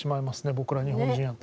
僕ら日本人やと。